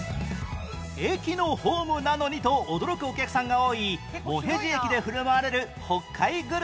駅のホームなのにと驚くお客さんが多い茂辺地駅で振る舞われる北海グルメとは？